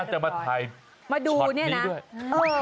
ก็จะมาถ่ายชอตนี้ด้วย